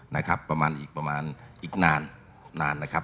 นะครับประมาณอีกประมาณอีกนานนานนะครับ